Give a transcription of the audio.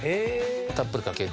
たっぷりかけて。